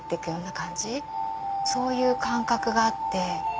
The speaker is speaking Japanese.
そういう感覚があって。